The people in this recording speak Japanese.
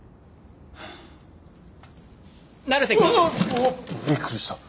おびっくりした。